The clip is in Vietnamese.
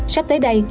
sắp tới đây